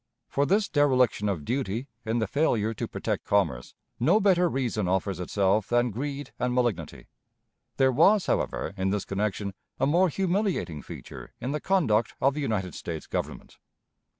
For this dereliction of duty, in the failure to protect commerce, no better reason offers itself than greed and malignity. There was, however, in this connection, a more humiliating feature in the conduct of the United States Government.